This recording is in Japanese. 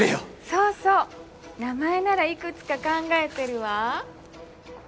そうそう名前ならいくつか考えてるわ。